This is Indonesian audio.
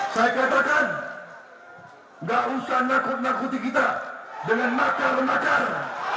saya katakan nggak usah nakut nakuti kita dengan makar makar